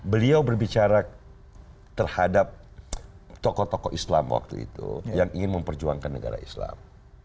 beliau berbicara terhadap tokoh tokoh islam waktu itu yang ingin memperjuangkan negara islam